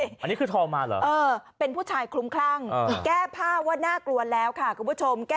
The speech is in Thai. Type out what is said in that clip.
อยากคุณผู้ชมไปดูคลิปกันก่อนค่ะ